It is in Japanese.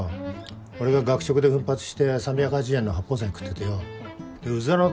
俺が学食で奮発して３８０円の八宝菜食っててようずらの卵